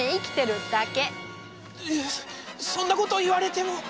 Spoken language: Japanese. いやそんなこと言われても。